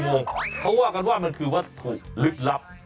งงเขาว่ากันว่ามันคือวัตถุลึกลับ